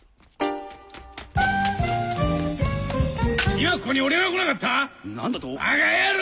今ここに俺が来なかった⁉何だと⁉バカ野郎！